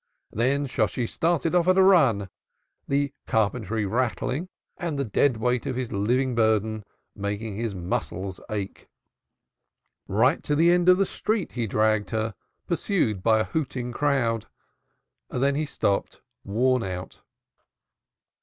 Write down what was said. Then Shosshi started off at a run, the carpentry rattling, and the dead weight of his living burden making his muscles ache. Right to the end of the street he dragged her, pursued by a hooting crowd. Then he stopped, worn out.